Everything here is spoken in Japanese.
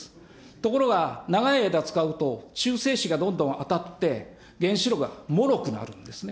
ところが、長い間使うと、中性子がどんどん当たって、原子炉がもろくなるんですね。